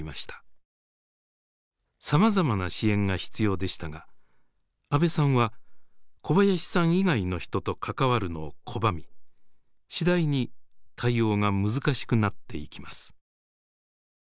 さまざまな支援が必要でしたが阿部さんは小林さん以外の人と関わるのを拒み次第に対応が難しくなっていきます。